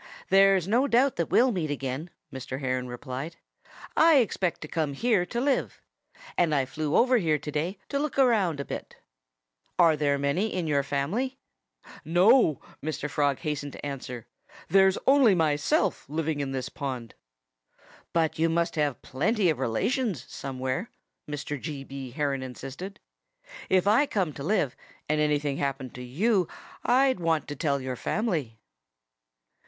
"There's no doubt that we'll meet again," Mr. Heron replied. "I expect to come here to live. And I flew over here to day to look about a bit. ... Are there many in your family?" "No!" Mr. Frog hastened to answer. "There's only myself living in this pond." "But you must have plenty of relations somewhere," Mr. G. B. Heron insisted. "If I came here to live, and anything happened to you, I'd want to tell your family."